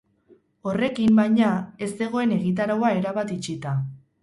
Horrekin, baina, ez zegoen egitaraua erabat itxita.